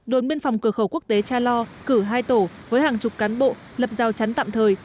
đồn biên phòng cửa khẩu quốc tế cha lo cử hai tổ với hàng chục cán bộ lập giao chắn tạm thời